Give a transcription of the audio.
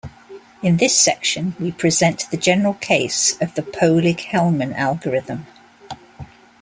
In this section, we present the general case of the Pohlig-Hellman algorithm.